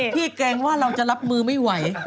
พี่แกล้งว่าเราจะรับมือไม่ไหว